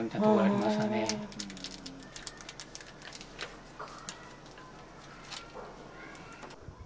そっか。